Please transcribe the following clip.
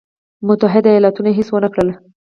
متحدو ایالتونو هېڅ ونه کړل.